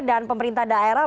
dan pemerintah daerah